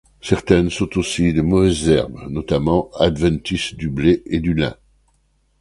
Certaines sont aussi des mauvaises herbes, notamment adventices du blé et du lin.